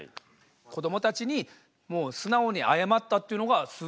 子どもたちにもう素直に謝ったっていうのがすごいな。